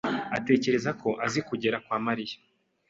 atekereza ko azi kugera kwa Mariya.